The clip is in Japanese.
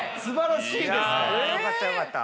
よかったよかった。